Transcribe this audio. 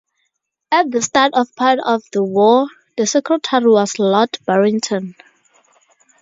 At the start of part of the war the secretary was Lord Barrington.